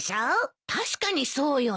確かにそうよね。